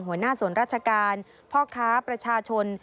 หัวหน้าส่วนราชการพ่อค้าประชาชน